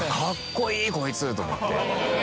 こいつ！と思って。